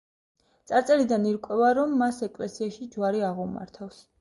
წარწერიდან ირკვევა, რომ მას ეკლესიაში ჯვარი აღუმართავს.